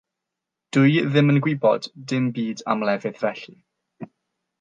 Dwy ddim yn gwybod dim byd am lefydd felly.